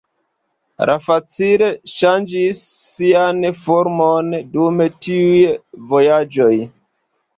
Li facile ŝanĝis sian formon dum tiuj vojaĝoj.